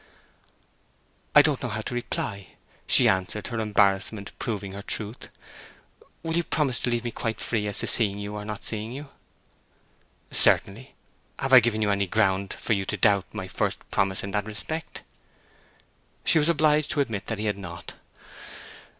"I don't know how to reply," she answered, her embarrassment proving her truth. "Will you promise to leave me quite free as to seeing you or not seeing you?" "Certainly. Have I given any ground for you to doubt my first promise in that respect?" She was obliged to admit that he had not.